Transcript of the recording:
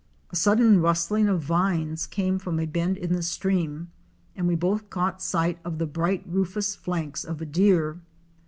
A sudden rustling of vines came from a bend in the stream and we both caught sight of the bright rufous flanks of a deer.